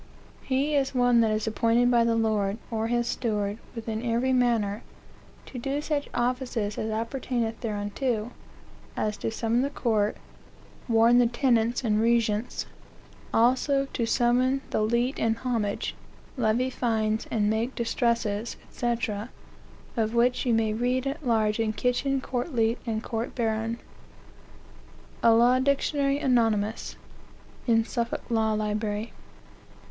He is one that is appointed by the lord, or his steward, within every manor, to do such offices as appertain thereunto, as to summon the court, warn the tenants and resiants; also, to summon the Leet and Homage, levy fines, and make distresses, &c., of which you may read at large in Kitchen's Court leet and Court baron." A Law Dictionary, anonymous, (in Suffolk Law Library.)